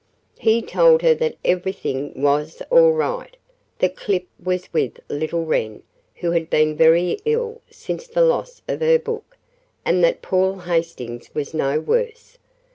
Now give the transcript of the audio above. He told her that everything was all right that Clip was with little Wren, who had been very ill since the loss of her book, and that Paul Hastings was no worse.